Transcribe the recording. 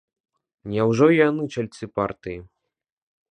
Няўжо і яны чальцы партыі?